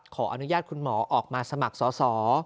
ขออนุญาตคุณหมอออกมาสมัครสอสอ